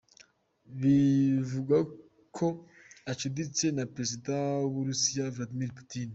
Bivugwa ko acuditse na Prezida w'Uburusiya Vladimir Putin.